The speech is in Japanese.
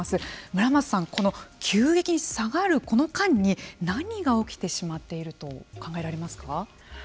村松さん、この急激に下がるこの間に何が起きてしまっていると考えられますか。